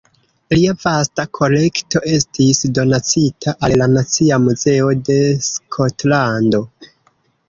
Lia vasta kolekto estis donacita al la Nacia Muzeo de Skotlando.